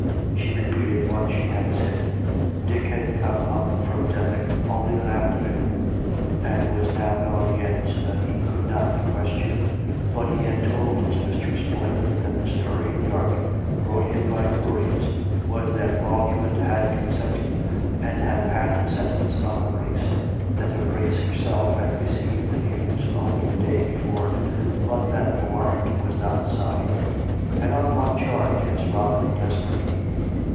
She repeated what she had said. Dick had come up from Dethick only that afternoon, and was now gone again, so that he could not be questioned; but he had told his mistress plainly that the story in Derby, brought in by couriers, was that Parliament had consented and had passed sentence on her Grace; that her Grace herself had received the news only the day before; but that the warrant was not signed. "And on what charge.^" asked Robin desperately.